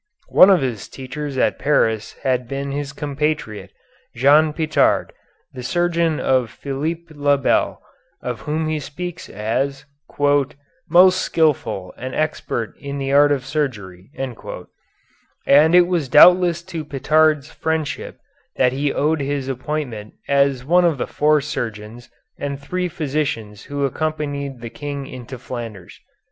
One of his teachers at Paris had been his compatriot, Jean Pitard, the surgeon of Philippe le Bel, of whom he speaks as "most skilful and expert in the art of surgery," and it was doubtless to Pitard's friendship that he owed his appointment as one of the four surgeons and three physicians who accompanied the King into Flanders.